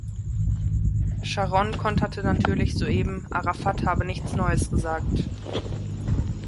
Sharon konterte natürlich soeben, Arafat habe nichts Neues gesagt.